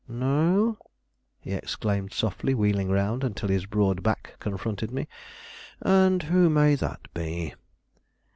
"No?" he exclaimed softly, wheeling around until his broad back confronted me. "And who may that be?"